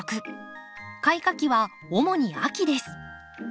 開花期は主に秋です。